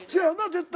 絶対。